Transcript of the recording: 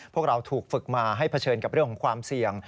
พวกเราถูกฝึกมาให้เผชิญกับเรื่องของความเสี่ยง